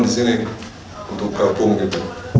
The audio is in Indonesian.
di sini untuk kerapu mungkin